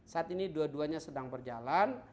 saat ini dua duanya sedang berjalan